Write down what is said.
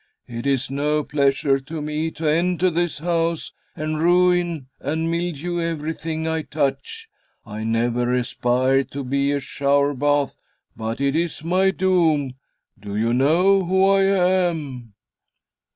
It is no pleasure to me to enter this house, and ruin and mildew everything I touch. I never aspired to be a shower bath, but it is my doom. Do you know who I am?"